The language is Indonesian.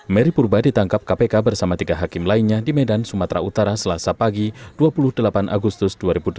mary purba ditangkap kpk bersama tiga hakim lainnya di medan sumatera utara selasa pagi dua puluh delapan agustus dua ribu delapan belas